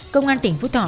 công an tỉnh phú thọ